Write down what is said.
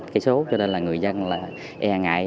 cho nên là người dân là e ngại